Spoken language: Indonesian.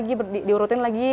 diurutin lagi diurutin lagi